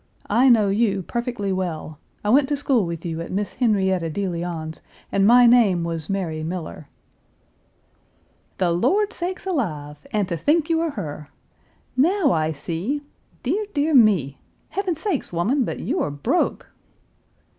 I know you perfectly well. I went to school with you at Miss Henrietta de Leon's, and my name was Mary Miller." "The Lord sakes alive! and to think you are her! Now I see. Dear! dear me! Heaven sakes, woman, but you are broke!"